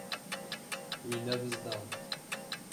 Wî nebizdand.